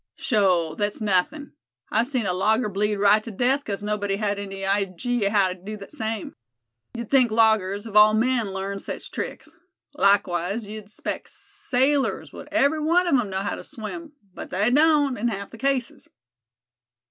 "Sho! thet's nawthin'. I've seen a logger bleed right to death 'cause nobody had any ijee how to do that same. You'd think loggers, of all men'd larn sech tricks. Likewise, you'd expect sailors would every one of 'em know how to swim; but they don't, in half the cases."